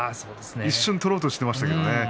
一瞬取ろうとしていましたけどね。